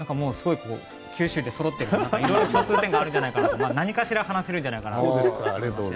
九州でそろっているのでいろいろ共通点があるんじゃないかと何かしら話せるんじゃないかと。